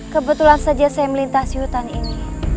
kebetulan saja saya melintasi hutan ini